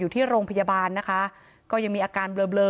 อยู่ที่โรงพยาบาลนะคะก็ยังมีอาการเบลอ